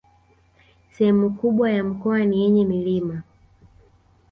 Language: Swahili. Sehemu kubwa ya mkoa ni yenye milima